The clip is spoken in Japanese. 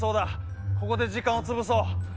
ここで時間を潰そう。